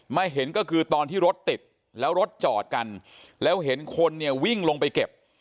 เห็นก็คือตอนที่รถติดแล้วรถจอดกันแล้วเห็นคนเนี่ยวิ่งลงไปเก็บ